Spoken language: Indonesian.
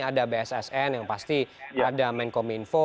ada bssn yang pasti ada menkominfo